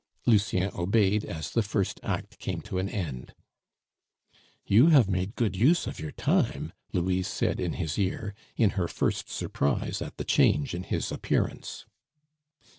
Lucien obeyed as the first act came to an end. "You have made good use of your time," Louise said in his ear, in her first surprise at the change in his appearance.